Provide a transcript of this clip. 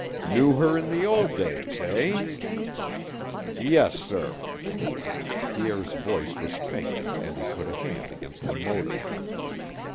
"Knew her in the old days eh?" "Yes, sir." Pierre's voice was faint and he put a hand against the motor.